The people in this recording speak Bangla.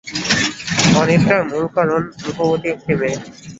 অনিদ্রার মূল কারণ রূপবতী একটি মেয়ে।